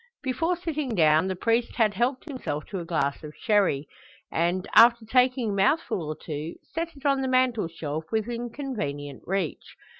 Before sitting down the priest had helped himself to a glass of sherry; and, after taking a mouthful or two, set it on the mantelshelf, within convenient reach.